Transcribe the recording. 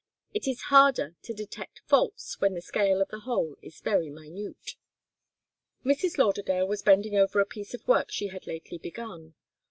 It is harder to detect faults when the scale of the whole is very minute. Mrs. Lauderdale was bending over a piece of work she had lately begun.